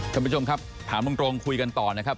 ท่านผู้ชมครับถามตรงคุยกันต่อนะครับ